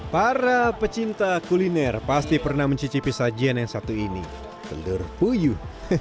para pecinta kuliner pasti pernah mencicipi sajian yang satu ini telur puyuh